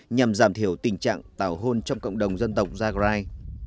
nhằm giảm thiểu tình trạng tàu hôn trong cộng đồng dân tộc zagrai